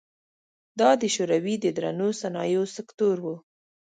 دا د شوروي د درنو صنایعو سکتور و.